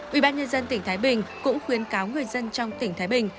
ủy ban nhân dân tỉnh thái bình cũng khuyến cáo người dân trong tỉnh thái bình